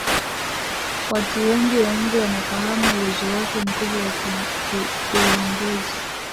Watu wengi wa nje wanafahamu uwezo wake mkubwa wa kiuongozi